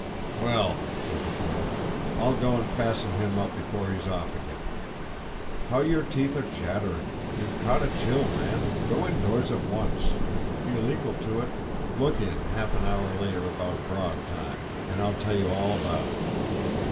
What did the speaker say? "Well," said the colonel, "I'll go and fasten him up before he's off again. How your teeth are chattering! You've caught a chill, man; go indoors at once, and, if you feel equal to it, look in half an hour later, about grog time, and I'll tell you all about it.